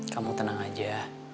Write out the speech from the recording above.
kamu tenang aja